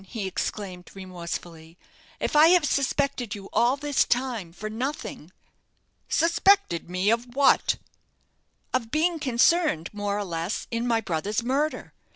he exclaimed, remorsefully, "if I have suspected you all this time for nothing?" "Suspected me of what?" "Of being concerned, more or less, in my brother's murder.